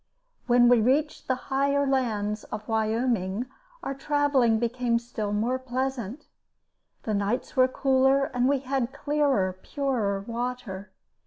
When we reached the higher lands of Wyoming, our traveling became still more pleasant. The nights were cooler, and we had clearer, purer water.